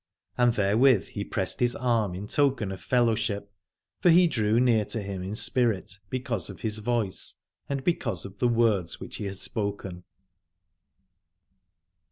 And therewith he pressed his arm in token of fellowship : for he drew near to him in spirit because of his voice, and because of the words which he had spoken.